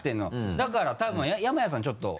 だから多分山谷さんちょっと。